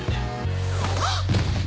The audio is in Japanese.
あっ！